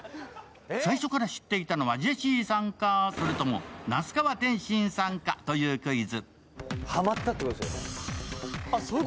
最初から知っていたのはジェシーさんか、それとも那須川天心さんかというクイズ。